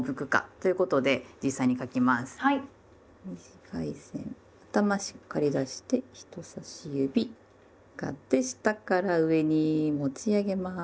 短い線頭しっかり出して人さし指上がって下から上に持ち上げます。